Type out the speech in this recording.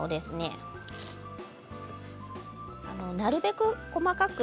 なるべく細かく。